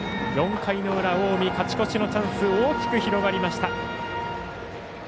４回の裏、近江勝ち越しのチャンス大きく広がりました。